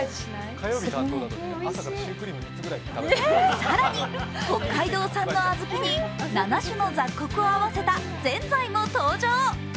更に、北海道産のあずきに７種の雑穀を合わせたぜんざいも登場。